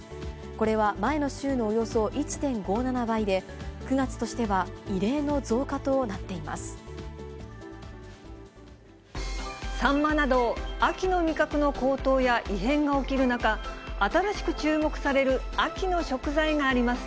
これは前の週のおよそ１．５７倍で、９月としては異例の増加となサンマなど、秋の味覚の高騰や異変が起きる中、新しく注目される秋の食材があります。